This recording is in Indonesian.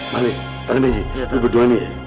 malih tanda benji lu berdua nih